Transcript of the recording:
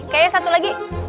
kayaknya satu lagi